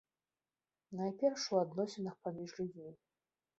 Найперш у адносінах паміж людзьмі.